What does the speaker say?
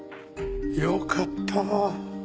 よかったあ。